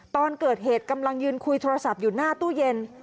ตอนเกิดเหตุกำลังยืนคุยโทรศัพท์อยู่หน้าตู้เย็น